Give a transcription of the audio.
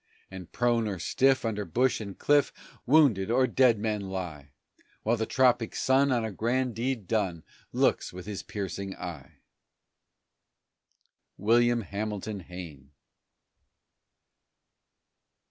And prone or stiff, under bush and cliff, Wounded or dead men lie, While the tropic sun on a grand deed done Looks with his piercing eye! WILLIAM HAMILTON HAYNE.